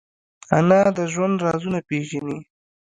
انا د ژوند رازونه پېژني